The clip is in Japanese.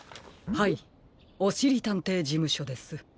☎はいおしりたんていじむしょです。